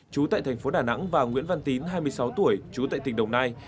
trú tại thành phố đà nẵng và nguyễn văn tín hai mươi sáu tuổi trú tại tỉnh đồng nai